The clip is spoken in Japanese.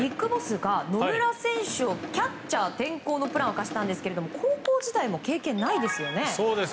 ＢＩＧＢＯＳＳが野村選手をキャッチャー転向のプランを明かしましたが高校時代も経験ないですよね。